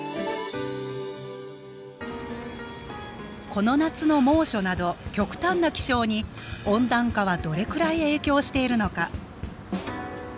この夏の猛暑など極端な気象に温暖化はどれくらい影響しているのか？